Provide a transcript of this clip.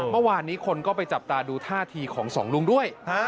เมื่อวานนี้คนก็ไปจับตาดูท่าทีของสองลุงด้วย